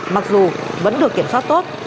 mặc dù vẫn được kiểm soát tốt